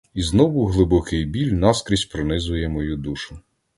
І знову глибокий біль наскрізь пронизує мою душу.